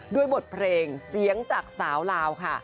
บทเพลงเสียงจากสาวลาวค่ะ